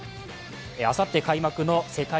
あさって開幕の世界